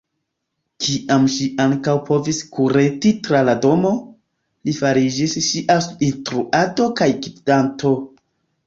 Kiam ŝi ankaŭ povis kureti tra la domo, li fariĝis ŝia instruanto kaj gvidanto.